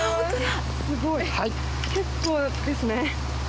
すごい結構ですね。